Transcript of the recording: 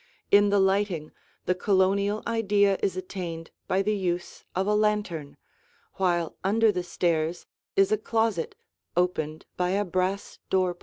In the lighting, the Colonial idea is attained by the use of a lantern, while under the stairs is a closet opened by a brass door pull.